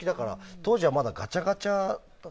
当時はまだガチャガチャ。